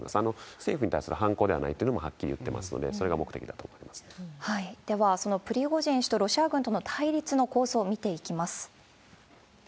政府に対する反攻ではないというのもはっきり言ってますので、そでは、そのプリゴジン氏とロシア軍との対立の構図を見ていきます。